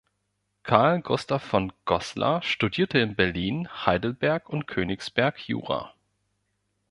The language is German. Karl Gustav von Goßler studierte in Berlin, Heidelberg und Königsberg Jura.